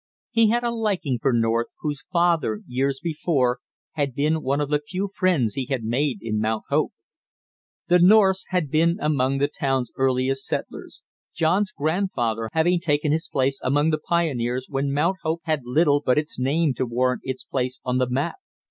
He had a liking for North, whose father, years before, had been one of the few friends he had made in Mount Hope. The Norths had been among the town's earliest settlers, John's grandfather having taken his place among the pioneers when Mount Hope had little but its name to warrant its place on the map.